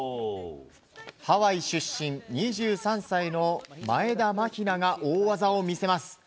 ハワイ出身、２３歳の前田マヒナが大技を見せます。